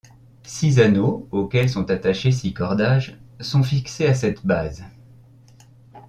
Six anneaux, auxquels sont attachés six cordages, sont fixés à cette base.